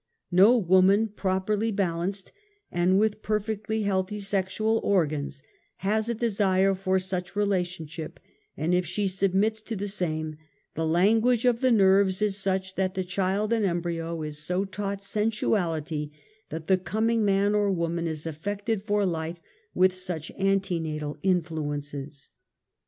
_^ Xo woman properl} ^ balanced and witli perfectly healthy sexual organs lias a desire for such relationship, and if she submits to the same, the Language of the Xerves is such that the child in embryo is so taught sensuality that the coming man or woman is affected for life with such antenatal inlluences.